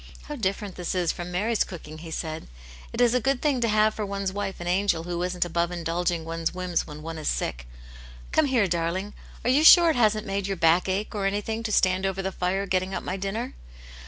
"How different this is from Mary's cooking," he said. " It is a good thing to have for one's wife an angel who isn't above indulging one's whims when one is sick. Come here, darling ! Are you sure it hasn't made your back ache, or anything, to stand over the fire getting up my dinner